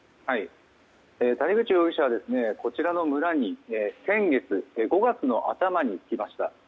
谷口容疑者はこちらの村に先月５月の頭にきました。